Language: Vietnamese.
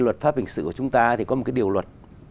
luật pháp bình sự của chúng ta thì có một cái điều luật